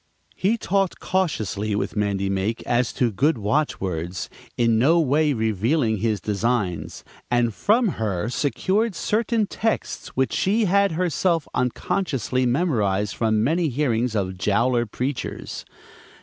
He talked cautiously with Mandy Make as to good watch words, in no way revealing his designs, and from her secured certain texts which she had herself unconsciously memorized from many hearings of Jowler preachers.